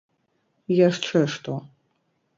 - Яшчэ што?